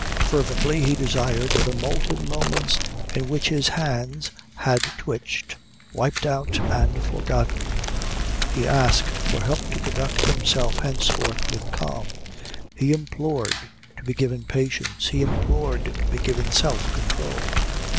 Fervently he desired the molten moments in which his hands had twitched, wiped out, and forgotten. He asked for help to conduct himself henceforth with calm. He implored to be given patience. He implored to be given self control.